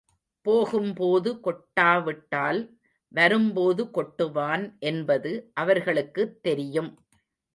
போகும் போது கொட்டாவிட்டால், வரும் போது கொட்டுவான் என்பது அவர்களுக்குத் தெரியும்.